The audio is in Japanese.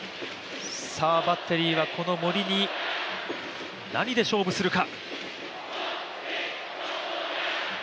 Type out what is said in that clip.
バッテリーはこの森に何で勝負するか。